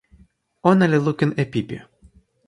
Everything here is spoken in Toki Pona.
ona li lukin e pipi.